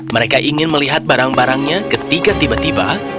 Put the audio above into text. mereka ingin melihat barang barangnya ketika tiba tiba